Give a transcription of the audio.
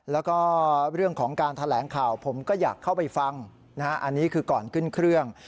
แล้วก็เรื่องของการแถลงข่าวผมก็อยากเข้าไปฟังอันนี้คือก่อนขึ้นเครื่อง